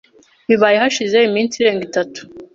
Bibaye hashize iminsi irenga itatu.